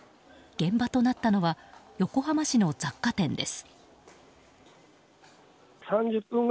現場となったのは横浜市の雑貨店です。